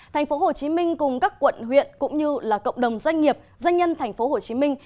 thành phố hồ chí minh cùng các quận huyện cũng như là cộng đồng doanh nghiệp doanh nhân thành phố hồ chí minh